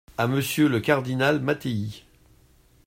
À Monsieur le cardinal Mattei.